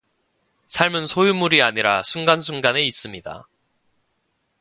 삶은 소유물이 아니라 순간 순간의 있음이다.